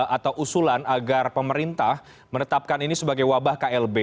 atau usulan agar pemerintah menetapkan ini sebagai wabah klb